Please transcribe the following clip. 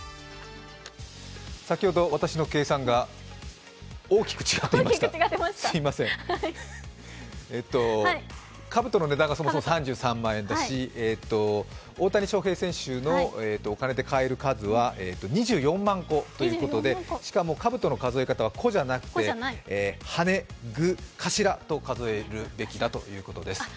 先ほど私の計算が大きく違っていました、すみません、かぶとの値段がそもそも３３万円だし、大谷翔平選手のお金で買える数は２４万個ということでしかもかぶとの数え方は「個」じゃなくて、羽、具、頭と数えるべきだということです。